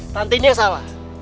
tantinya yang salah